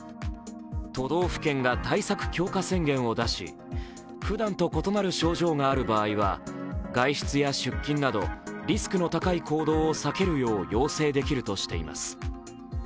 都道府県が対策強化宣言を出しふだんと異なる症状がある場合は外出や出勤などリスクの高い行動を避けるよう要請できるとしています。